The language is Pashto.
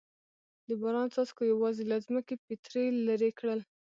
د باران څاڅکو یوازې له ځمکې پتري لرې کړل.